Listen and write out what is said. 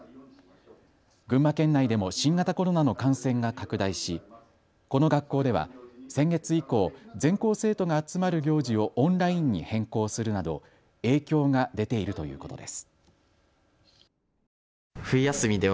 群馬県内でも新型コロナの感染が拡大し、この学校では先月以降、全校生徒が集まる行事をオンラインに変更するなど影響が出ているということです。